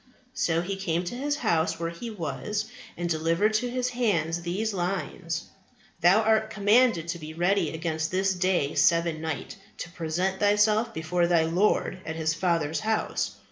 So he came to his house where he was, and delivered to his hands these lines, Thou art commanded to be ready against this day seven night, to present thyself before thy Lord at His Father's house.